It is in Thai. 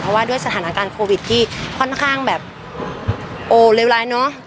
เพราะว่าด้วยสถานการณ์โควิดที่ค่อนข้างแบบโอ้เลวร้ายเนอะ